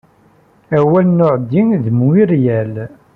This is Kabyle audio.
Awal n uɛeddi d Muiriel.